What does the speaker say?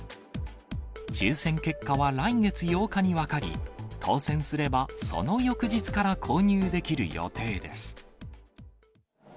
抽せん結果は来月８日に分かり、当選すれば、その翌日から購入できる予定です。